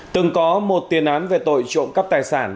từng có một tiền án về tội trộm cắp tài sản